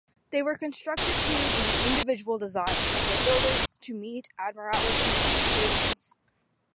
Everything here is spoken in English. They were constructed to the individual designs of their builders to meet Admiralty specifications.